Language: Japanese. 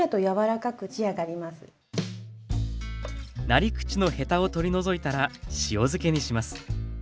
なり口のヘタを取り除いたら塩漬けにします。